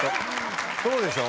そうでしょ？